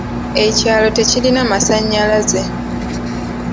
Ekyalo tekirina masannyalaze.